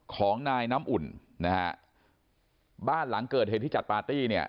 ของนายน้ำอุ่นนะฮะบ้านหลังเกิดเหตุที่จัดปาร์ตี้เนี่ย